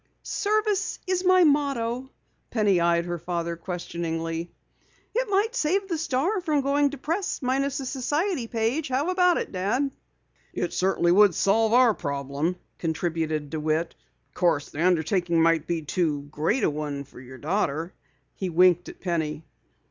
"Service is my motto." Penny eyed her father questioningly. "It might save the Star from going to press minus a society page. How about it, Dad?" "It certainly would solve our problem," contributed DeWitt. "Of course the undertaking might be too great a one for your daughter." He winked at Penny.